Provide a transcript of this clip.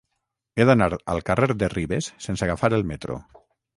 He d'anar al carrer de Ribes sense agafar el metro.